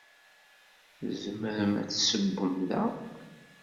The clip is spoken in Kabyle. Tzemrem ad tessewwem da.